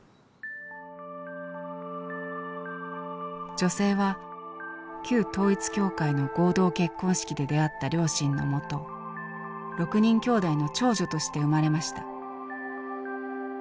女性は旧統一教会の合同結婚式で出会った両親のもと６人きょうだいの長女として生まれました。